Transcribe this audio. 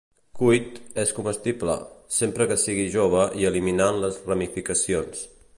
Cuit, és comestible, sempre que sigui jove i eliminant les ramificacions.